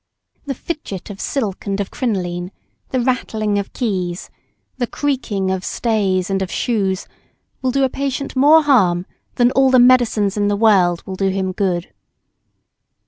The fidget of silk and of crinoline, the rattling of keys, the creaking of stays and of shoes, will do a patient more harm than all the medicines in the world will do him good.